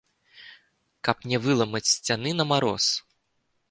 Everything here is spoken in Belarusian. Каб не выламаць сцяны на мароз?